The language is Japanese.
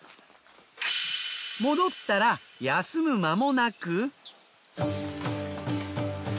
戻ったら休む間もなく。